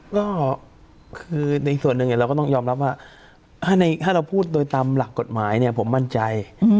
ก็คือในส่วนหนึ่งเราก็ต้องยอมรับว่าถ้าเราพูดโดยตามหลักกฎหมายเนี่ยผมมั่นใจ